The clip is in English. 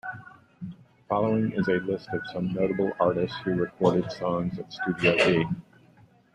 Following is a list of some notable artists who recorded songs at Studio B.